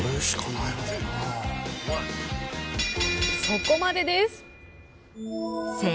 そこまでです。